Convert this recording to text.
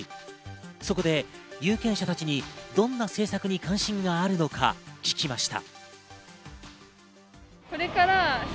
そこで有権者たちに、どんな政策に関心があるのか聞きました。